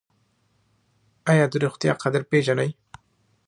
ایا د روغتیا قدر پیژنئ؟